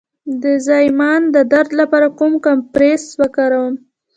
د زایمان د درد لپاره کوم کمپرس وکاروم؟